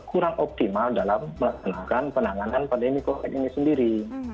kurang optimal dalam melaksanakan penanganan pandemi covid ini sendiri